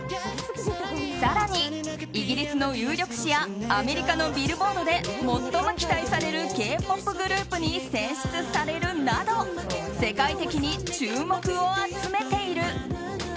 更にイギリスの有力誌やアメリカのビルボードで最も期待されるＫ‐ＰＯＰグループに選出されるなど世界的に注目を集めている。